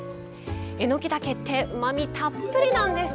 えのきだけってうまみたっぷりなんです！